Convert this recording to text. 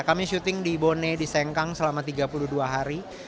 kami syuting di bone di sengkang selama tiga puluh dua hari